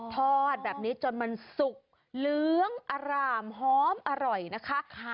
ทอดแบบนี้จนมันสุกเหลืองอร่ามหอมอร่อยนะคะ